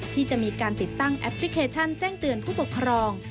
ที่จะมีการติดตั้งแอปพลิเคชันแจ้งเตือนผู้ปกครอง